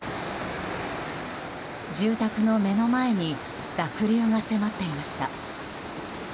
住宅の目の前に濁流が迫っていました。